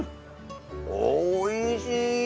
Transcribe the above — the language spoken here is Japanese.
おいしいー！